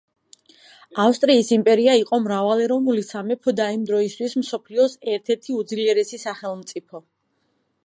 ავსტრიის იმპერია იყო მრავალეროვნული სამეფო და იმ დროისთვის მსოფლიოს ერთ ერთი უძლიერესი სახელმწიფო.